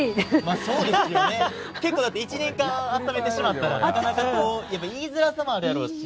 結構だって１年間あっためてしまったらなかなかこうやっぱ言いづらさもあるやろうし。